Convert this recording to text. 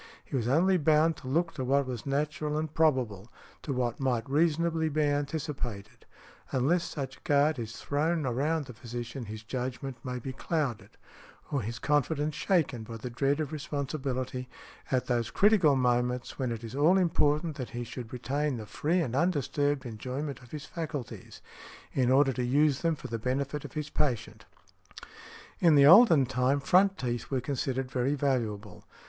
He was only bound to look to what was natural and probable, to what might reasonably be anticipated. Unless such guard is thrown around the physician his judgment may be clouded, or his confidence shaken by the dread of responsibility, at those critical moments when it is all important that he should retain the free and undisturbed enjoyment of his faculties, in order to use them for the benefit of the patient" . In the olden time, front teeth were considered very valuable.